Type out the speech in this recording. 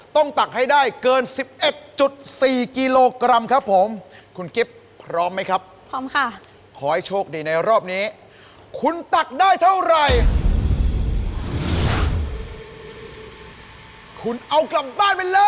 ต้องตักให้ได้เกิน๑๑๔กิโลกรัมครับผมคุณกิ๊บพร้อมไหมครับ